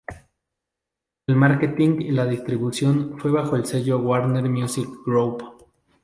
El Marketing y la distribución fue bajo el sello Warner Music Group.